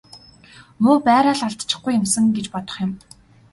Муу байраа л алдчихгүй юмсан гэж бодох юм.